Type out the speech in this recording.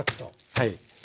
はい。